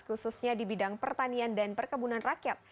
khususnya di bidang pertanian dan perkebunan rakyat